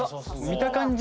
見た感じ